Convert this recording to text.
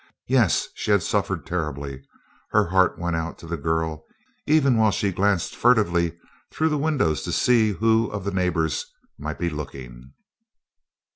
Yes, she had suffered terribly. Her heart went out to the girl, even while she glanced furtively through the windows to see who of the neighbors might be looking.